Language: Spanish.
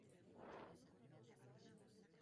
Es originaria de Perú y Ecuador.